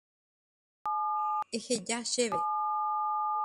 Eheja chéve.